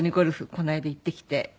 この間行ってきて。